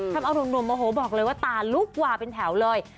ทำเอานุ่มโมโหบอกเลยว่าตาลุกวาเป็นแถวเลย